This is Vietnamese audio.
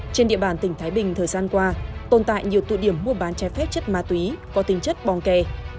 trên địa bàn tỉnh thái bình thời gian qua tồn tại nhiều tụ điểm mua bán trái phép chất ma túy có tính chất bong kè